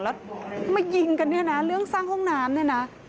แล้วมายิงกันเนี่ยนะเรื่องสร้างห้องน้ำเนี่ยนะ